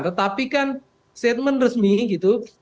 tetapi kan statement resmi gitu